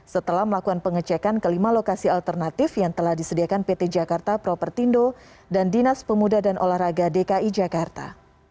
setelah melakukan pengecekan kelima lokasi alternatif yang telah disediakan pt jakarta propertindo dan dinas pemuda dan olahraga dki jakarta